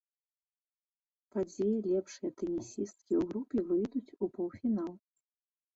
Па дзве лепшыя тэнісісткі ў групе выйдуць у паўфінал.